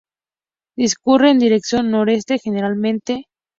Discurre en dirección noroeste generalmente.